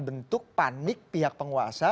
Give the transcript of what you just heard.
bentuk panik pihak penguasa